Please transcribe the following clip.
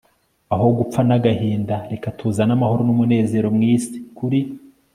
aho gupfa n'agahinda, reka tuzane amahoro n'umunezero mwisi. kuri